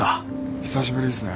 久しぶりですね